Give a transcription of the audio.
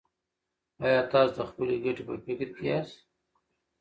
ایا تاسو د خپلې ګټې په فکر کې یاست.